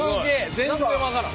全然分からん。